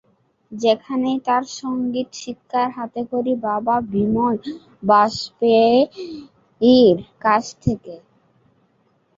সেখানেই তার সংগীত শিক্ষার হাতেখড়ি বাবা বিমল বাজপেয়ীর কাছ থেকে।